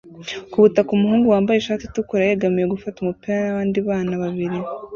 Ku butaka umuhungu wambaye ishati itukura yegamiye gufata umupira nabandi bana babiri